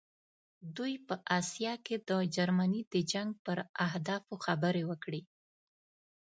دوی په آسیا کې د جرمني د جنګ پر اهدافو خبرې وکړې.